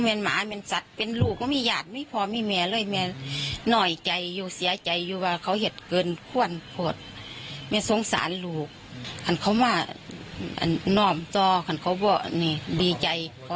ของเขามานอนทีอีกขอดีใจเขาก็เป็นแค่อภัยอย่างนั้นจ๊ะ